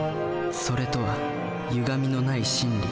「それ」とはゆがみのない真理。